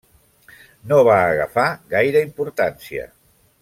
No va agafar gaire importància.